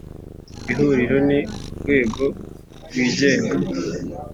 Ihuriro ni urwego rwigenga